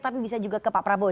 tapi bisa juga ke pak prabowo ya